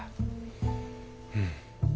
うん。